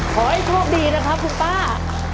ขอให้โชคดีนะครับคุณป้า